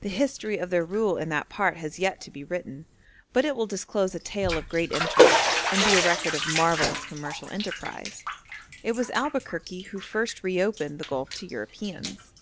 The history of their rule in that part has yet to be written, but it will disclose a tale of great interest, and be a record of marvellous commercial enterprise. It was Albuquerque who first reopened the Gulf to Europeans.